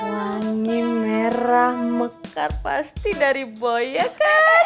wangi merah mekar pasti dari boy ya kan